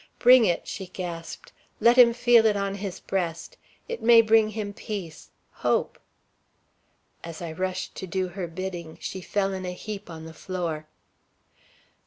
"Bring it!" she gasped. "Let him feel it on his breast. It may bring him peace hope." As I rushed to do her bidding, she fell in a heap on the floor.